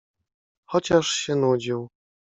Chociaż się nudził.